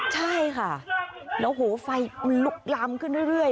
ใช่ค่ะแล้วโหไฟมันลุกลามขึ้นเรื่อย